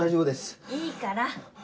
いいから。